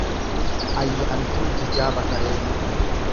Ayyaantuu Jijaa Bakaree